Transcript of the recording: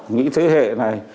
nghĩ thế hệ này